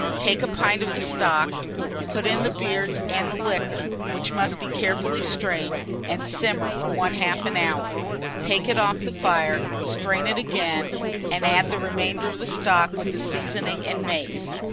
Take a pint of the stock, put in the beards and the liquor, which must be carefully strained, and simmer for 1/2 an hour. Take it off the fire, strain it again, and add the remainder of the stock with the seasoning and mace.